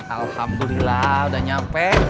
alhamdulillah udah nyampe